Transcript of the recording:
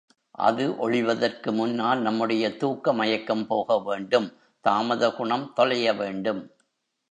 அது ஒழிவதற்கு முன்னால் நம்முடைய தூக்க மயக்கம் போக வேண்டும் தாமத குணம் தொலைய வேண்டும்.